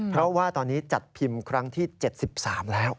เพราะว่าตอนนี้จัดพิมพ์ครั้งที่๗๓แล้ว